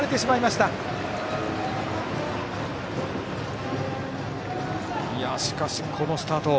しかし、このスタート。